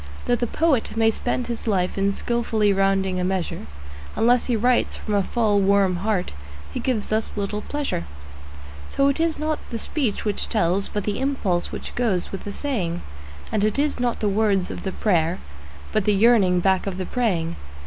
Though the poet may spend his life in skilfully rounding a measure, Unless he writes from a full, warm heart he gives us little pleasure. So it is not the speech which tells, but the impulse which goes with the saying; And it is not the words of the prayer, but the yearning back of the praying.